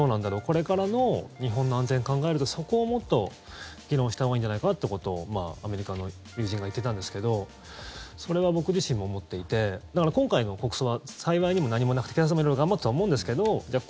これからの日本の安全を考えるとそこをもっと議論したほうがいいんじゃないのかなってことをアメリカの友人が言ってたんですけどそれは僕自身も思っていてだから今回の国葬は幸いにも何もなくて警察も色々頑張ったとは思うんですけどじゃあ